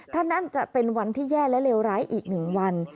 ถ้านั่นจะเป็นวันที่แย่และเลวร้ายอีก๑วัน